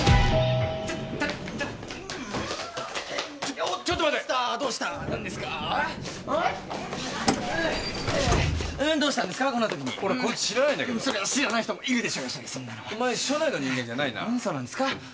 そうなんですか？